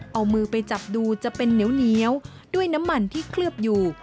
เอามือไปจับดูจะเป็นเหนียวด้วยน้ำมันที่เคลือบอยู่